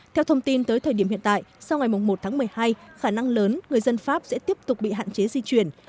theo thông tin tới thời điểm hiện tại sau ngày một tháng một mươi hai khả năng lớn người dân pháp sẽ tiếp tục bị hạn chế di chuyển